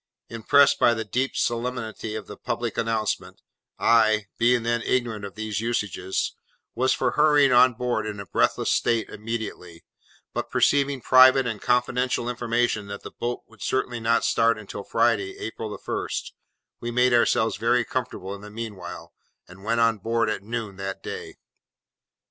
Impressed by the deep solemnity of the public announcement, I (being then ignorant of these usages) was for hurrying on board in a breathless state, immediately; but receiving private and confidential information that the boat would certainly not start until Friday, April the First, we made ourselves very comfortable in the mean while, and went on board at noon that day.